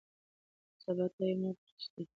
سبا ته یې مه پرېږدئ.